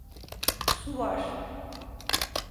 Su var.